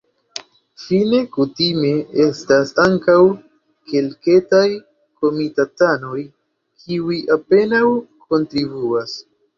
Fine kutime estas ankaŭ kelketaj komitatanoj, kiuj apenaŭ kontribuas.